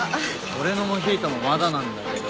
俺のモヒートもまだなんだけど。